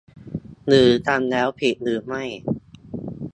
หรือทำแล้วผิดหรือไม่